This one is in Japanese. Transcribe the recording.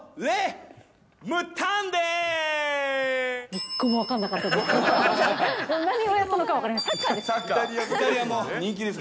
一個も分かんなかったです。